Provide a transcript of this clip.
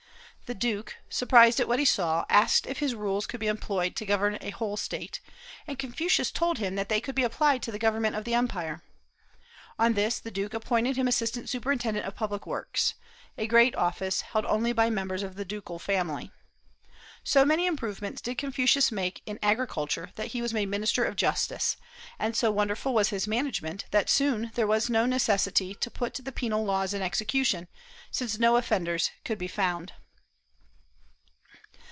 The duke, surprised at what he saw, asked if his rules could be employed to govern a whole State; and Confucius told him that they could be applied to the government of the Empire. On this the duke appointed him assistant superintendent of Public Works, a great office, held only by members of the ducal family. So many improvements did Confucius make in agriculture that he was made minister of Justice; and so wonderful was his management, that soon there was no necessity to put the penal laws in execution, since no offenders could be found.